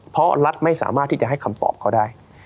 เพราะรัฐไม่สามารถที่จะให้คำตอบเขาได้